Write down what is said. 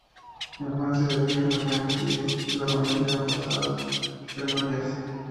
La infancia de Pierre fue feliz; la familia no pasaba penurias.